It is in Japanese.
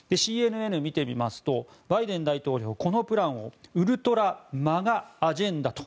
ＣＮＮ見てみますとバイデン大統領、このプランをウルトラ・ＭＡＧＡ・アジェンダと。